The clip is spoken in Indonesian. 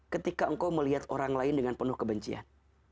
ketika engkau melihat orang lain dengan penuh kebencian